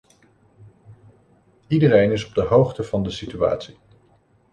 Iedereen is op de hoogte van de situatie.